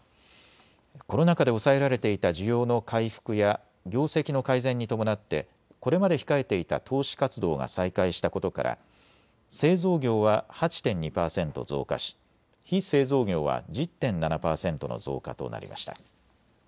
コロナ禍で抑えられていた需要の回復や業績の改善に伴ってこれまで控えていた投資活動が再開したことから製造業は８．２％増加し非製造業は１０．７％の増加となりました。